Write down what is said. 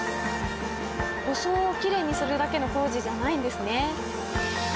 装をきれいにするだけの工事じゃないんですね。